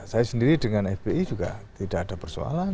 saya sendiri dengan fpi juga tidak ada persoalan